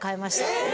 ・え！？